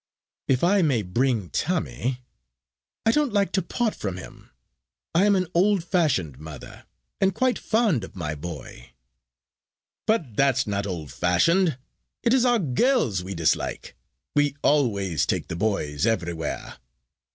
"If I may bring Tommy? I don't like to part from him. I am an old fashioned mother, and quite fond of my boy." "But that's not old fashioned. It is our girls we dislike. We always take the boys everywhere.